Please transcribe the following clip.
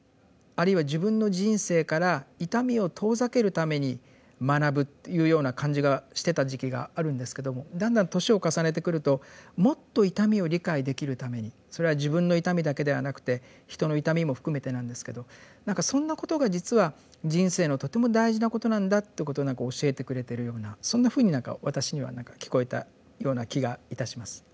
あるいは自分の人生から痛みを遠ざけるために学ぶというような感じがしてた時期があるんですけどもだんだん年を重ねてくるともっと痛みを理解できるためにそれは自分の痛みだけではなくて人の痛みも含めてなんですけど何かそんなことが実は人生のとても大事なことなんだっていうことを何か教えてくれてるようなそんなふうに私には何か聞こえたような気がいたします。